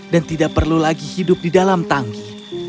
dan tidak perlu lagi hidup di dalam tanggi